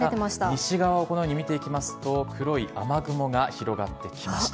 西側をこのように見てみますと、黒い雨雲が広がってきました。